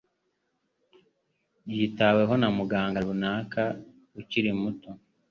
Yitaweho na muganga runaka ukiri muto.